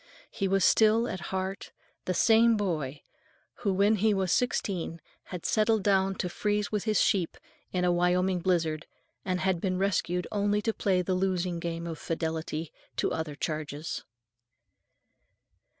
He was still, at heart, the same boy who, when he was sixteen, had settled down to freeze with his sheep in a Wyoming blizzard, and had been rescued only to play the losing game of fidelity to other charges.